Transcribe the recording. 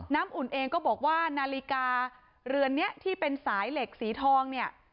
อุ่นเองก็บอกว่านาฬิกาเรือนนี้ที่เป็นสายเหล็กสีทองเนี่ย